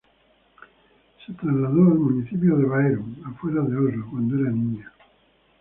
Se trasladó al municipio de Bærum afueras de Oslo cuando era niño.